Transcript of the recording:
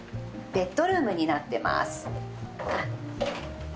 ベッドルームになってます。